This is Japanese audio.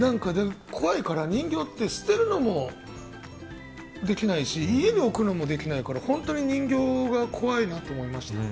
人形って捨てるのもできないし家に置くのもできないから本当に人形が怖いなと思いました。